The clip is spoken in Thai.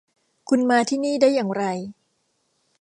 คุณมาที่นี่ได้อย่างไร ?